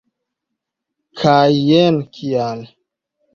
Kaj jen kial!